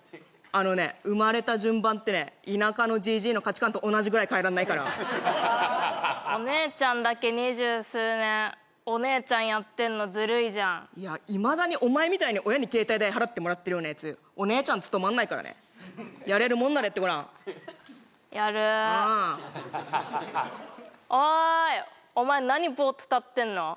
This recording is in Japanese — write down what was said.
あのね生まれた順番ってね田舎のジジイの価値観と同じぐらい変えらんないからお姉ちゃんだけ二十数年お姉ちゃんやってんのずるいじゃんいまだにお前みたいに親に携帯代払ってもらってるようなやつお姉ちゃん務まんないからねやれるもんならやってごらんやるうんおいお前何ぼっと立ってんの？